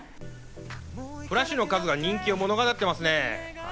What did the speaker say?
フラッシュの数が人気を物語っていますね。